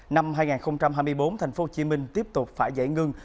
năm hai nghìn hai mươi bốn tp hcm tiếp tục phải giải ngân